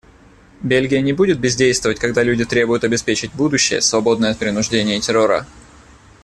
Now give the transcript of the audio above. Бельгия не будет бездействовать, когда люди требуют обеспечить будущее, свободное от принуждения и террора.